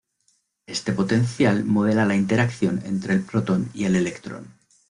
Este potencial modela la interacción entre el protón y el electrón.